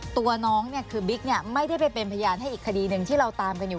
ตัวน้องเนี่ยคือบิ๊กไม่ได้ไปเป็นพยานให้อีกคดีหนึ่งที่เราตามกันอยู่